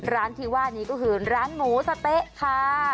ร้านที่ว่านี้ก็คือร้านหมูสะเต๊ะค่ะ